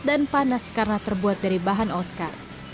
dan panas karena terbuat dari bahan oscar